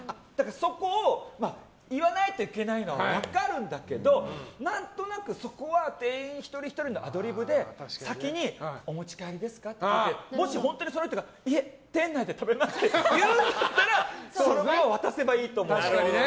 そこを言わないといけないのは分かるんだけど何となく、そこは店員一人ひとりのアドリブで先にお持ち帰りですかって聞いてもし本当にその人がいえ、店内で食べますと言うんだったらそこで渡せばいいと思うの。